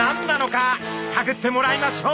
さぐってもらいましょう。